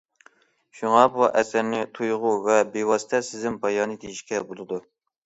شۇڭا بۇ ئەسەرنى تۇيغۇ ۋە بىۋاسىتە سېزىم بايانى دېيىشكە بولىدۇ.